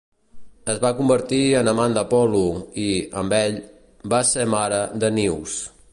Es va convertir en amant d'Apolo i, amb ell, va ser mare d'Anius.